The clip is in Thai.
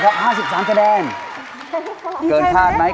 ขอบใจด้วยครับรู้สึกไงครับ๕๓คะแนน